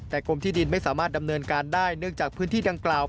แต่กรมที่ดินไม่สามารถดำเนินการได้เนื่องจากพื้นที่ดังกล่าว